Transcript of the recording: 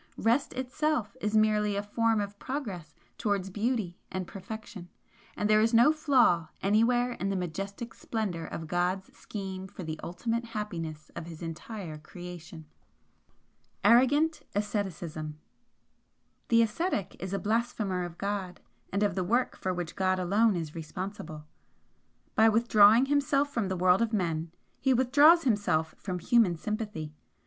Rest itself is merely a form of Progress towards Beauty and Perfection, and there is no flaw anywhere in the majestic splendour of God's scheme for the ultimate happiness of His entire Creation." ARROGANT ASCETICISM "The ascetic is a blasphemer of God and of the work for which God alone is responsible. By withdrawing himself from the world of men he withdraws himself from human sympathy.